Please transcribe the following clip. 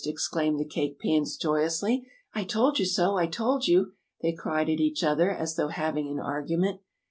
exclaimed the Cake Pans, joyously. "I told you so! I told you!" they cried at each other as though having an argument.